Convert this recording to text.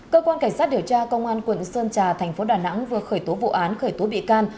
cơ quan cảnh sát điều tra công an quận sơn trà thành phố đà nẵng vừa khởi tố vụ án khởi tố bị can